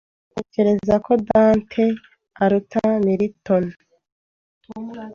Ntekereza ko Dante aruta Milton.